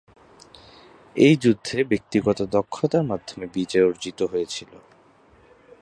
এই যুদ্ধে ব্যক্তিগত দক্ষতার মাধ্যমে বিজয় অর্জিত হয়েছিল।